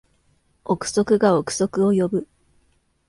憶測が憶測を呼ぶ